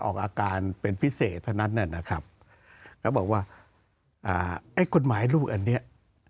ออกอาการเป็นพิเศษเท่านั้นนะครับเขาบอกว่าอ่าไอ้กฎหมายลูกอันเนี้ย